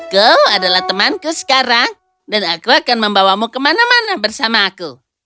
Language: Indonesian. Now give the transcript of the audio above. kau adalah temanku sekarang dan aku akan membawamu kemana mana bersama aku